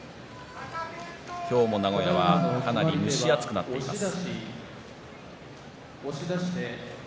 今日も名古屋はかなり蒸し暑くなっています。